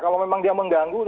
kalau memang dia mengganggu